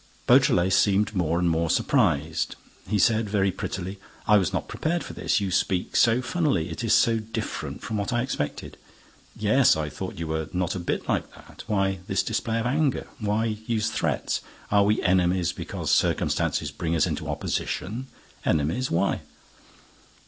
Beautrelet seemed more and more surprised. He said very prettily: "I was not prepared for this—you speak so funnily! It's so different from what I expected! Yes, I thought you were not a bit like that! Why this display of anger? Why use threats? Are we enemies because circumstances bring us into opposition? Enemies? Why?"